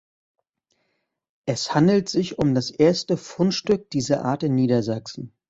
Es handelt sich um das erste Fundstück dieser Art in Niedersachsen.